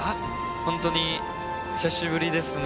本当に久しぶりですね。